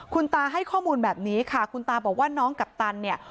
คุณตาให้ข้อมูลแบบนี้ค่ะคุณตาบอกว่าน้องกัปตันเนี่ย